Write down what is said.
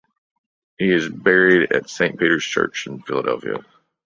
He is buried at Saint Peter’s Church in Philadelphia.